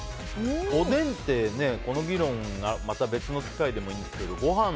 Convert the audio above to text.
おでんで、この議論はまた別の機会でもいいんですけどご飯